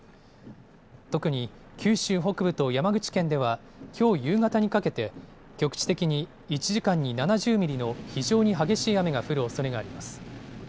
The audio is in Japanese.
特に九州北部と山口県では、きょう夕方にかけて、局地的に１時間に７０ミリの非常に激しい雨が降るおそれがあります。